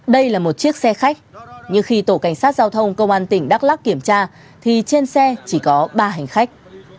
đây là một chiếc xe khách nhưng khi tổ cảnh sát giao thông công an tỉnh đắk lắc kiểm tra thì trên xe chỉ có ba hành khách